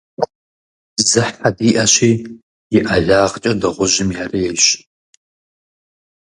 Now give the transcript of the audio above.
Зы хьэ диӀэщи, и ӀэлагъкӀэ дыгъужьми ярейщ.